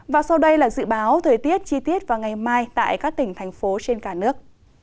và sau đây là dự báo thời tiết chi tiết vào ngày mai tại các tỉnh thành phố trên cả nước